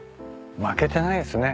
負けてないっすね。